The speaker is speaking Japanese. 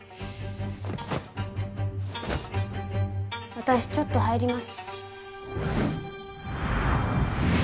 私ちょっと入ります。